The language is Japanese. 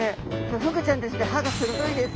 フグちゃんたちって歯が鋭いです。